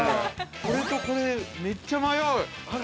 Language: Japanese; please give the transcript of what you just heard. ◆これとこれ、めっちゃ迷う。